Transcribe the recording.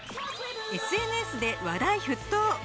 ＳＮＳで話題沸騰！